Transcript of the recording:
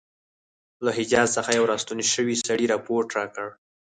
له حجاز څخه یو را ستون شوي سړي رپوټ راکړی.